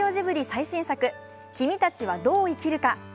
最新作「君たちはどう生きるか」。